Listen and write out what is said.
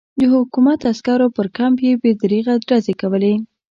د حکومت عسکرو پر کمپ بې دریغه ډزې کولې.